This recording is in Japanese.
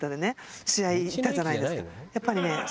やっぱりね。